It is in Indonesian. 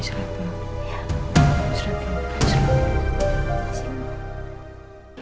istirahat dulu istirahat dulu